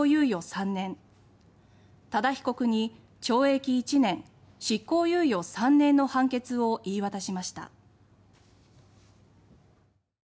３年多田被告に懲役１年・執行猶予３年の判決を言い渡しました。